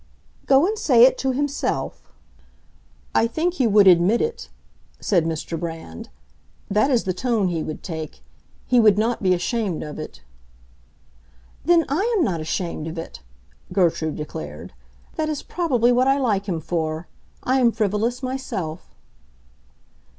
"Go and say it to himself!" "I think he would admit it," said Mr. Brand. "That is the tone he would take. He would not be ashamed of it." "Then I am not ashamed of it!" Gertrude declared. "That is probably what I like him for. I am frivolous myself."